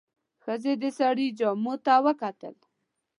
ښځې د سړي جامو ته وکتل.